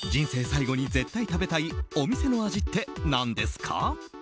最後に絶対食べたいお店の味って何ですか？